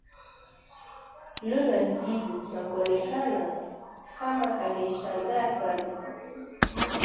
Lulu alijibu na kuonekana kama aliyeshangaa sana